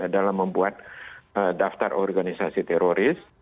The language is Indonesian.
dalam membuat daftar organisasi teroris